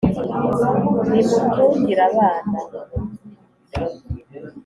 Rimutungire abana.